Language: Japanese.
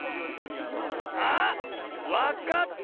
あっわかった！